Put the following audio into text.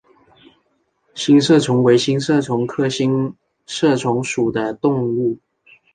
星射虫为星射虫科星射虫属的动物。